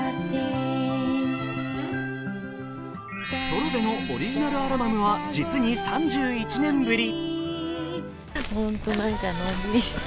ソロでのオリジナルアルバムは実に３１年ぶり。